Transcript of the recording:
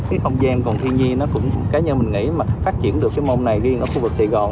cái không gian còn thiên nhiên nó cũng cá nhân mình nghĩ mà phát triển được cái môn này riêng ở khu vực sài gòn